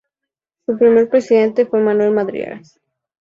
Su primer presidente fue Manuel Madrigal.